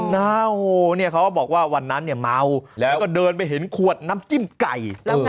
น่าโหเขาก็บอกว่าวันนั้นเมาแล้วก็เดินไปเห็นขวดน้ำจิ้มไก่